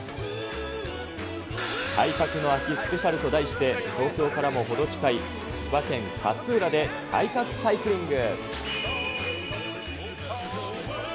体格の秋スペシャルと題して、東京からも程近い千葉県勝浦で体格サイクリング。